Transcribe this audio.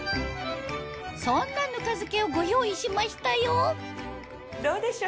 そんなぬか漬けをご用意しましたよどうでしょう？